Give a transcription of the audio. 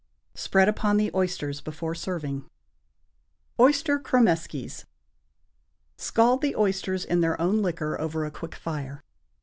Spread upon the oysters before serving. =Oyster Cromeskies.= Scald the oysters in their own liquor over a quick fire.